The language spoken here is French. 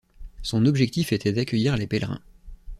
Son objectif était d’accueillir les pèlerins.